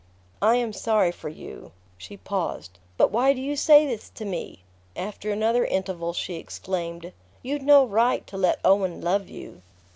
"I am sorry for you." She paused. "But why do you say this to me?" After another interval she exclaimed: "You'd no right to let Owen love you."